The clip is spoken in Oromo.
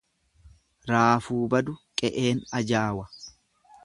Raafuun badu qe'een ajaawa.